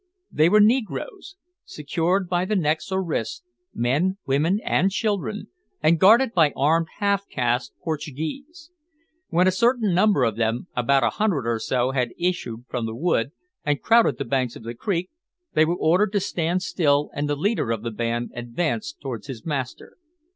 They were negroes, secured by the necks or wrists men, women, and children, and guarded by armed half caste Portuguese. When a certain number of them, about a hundred or so, had issued from the wood, and crowded the banks of the creek, they were ordered to stand still, and the leader of the band advanced towards his master.